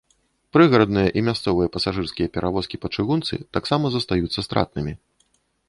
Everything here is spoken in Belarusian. Прыгарадныя і мясцовыя пасажырскія перавозкі па чыгунцы таксама застаюцца стратнымі.